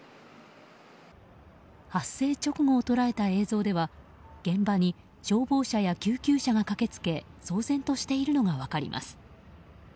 発生直後を捉えた映像では現場に消防車や救急車が駆けつけ騒然としているのが分かります。